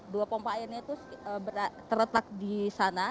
dua pompa airnya itu terletak di sana